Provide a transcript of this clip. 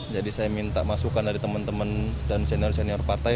jadi saya minta masukan dari teman teman dan senior senior partai